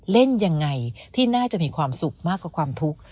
เล่นยังไงที่น่าจะมีความสุขมากกว่าความทุกข์